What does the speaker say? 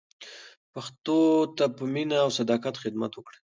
پښتو ته په مینه او صداقت خدمت وکړئ.